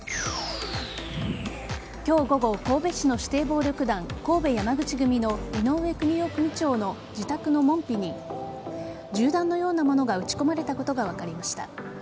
今日午後、神戸市の指定暴力団神戸山口組の井上邦雄組長の自宅の門扉に銃弾のようなものが撃ち込まれたことが分かりました。